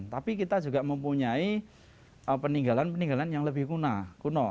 tapi kita juga mempunyai peninggalan peninggalan yang lebih kuno